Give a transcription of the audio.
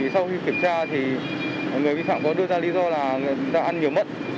sau khi kiểm tra thì người vi phạm có đưa ra lý do là người ta ăn nhiều mận